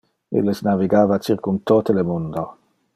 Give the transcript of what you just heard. Illes navigava circum tote le mundo.